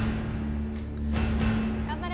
頑張れ！